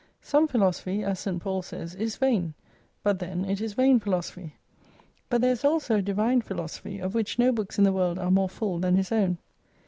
Some philosophy, as Saint Paul says, is vain, but then it is vain philosophy. But there is also a Divine Philosophy, of which no books in the world are more full than his own.